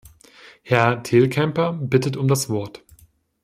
Herr Telkämper bittet um das Wort.